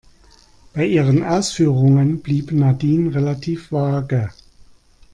Bei ihren Ausführungen blieb Nadine relativ vage.